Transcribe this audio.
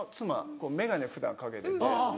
こうメガネ普段かけてて。